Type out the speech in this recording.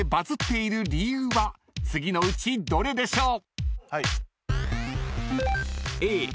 ［次のうちどれでしょう？］